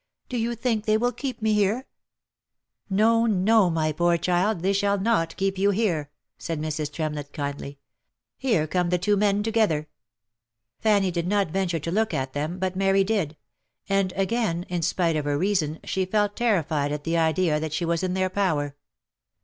" Do you think they will keep me here V' " No, no, my poor child, they shall not keep you here," said Mrs. Tremlett, kindly. " Here come the two men together." Fanny did not venture to look at them, but Mary did ; and again, in spite of her reason, she felt terrified at the idea that she was in their power.